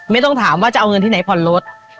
ไม่ต้องถามว่าจะเอาเงินที่ไหนผ่อนรถ